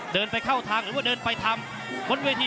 เดินไปเข้าทางหรือว่าเดินไปทำวิทย์ประจำวนเวที่